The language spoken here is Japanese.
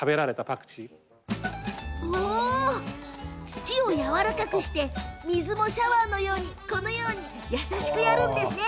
土をやわらかくして水もシャワーのように優しくやるんです。